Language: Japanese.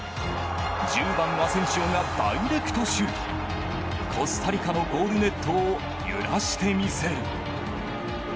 １０番アセンシオがダイレクトシュートコスタリカのゴールネットを揺らしてみせる。